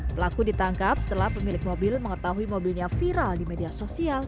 pelaku ditangkap setelah pemilik mobil mengetahui mobilnya viral di media sosial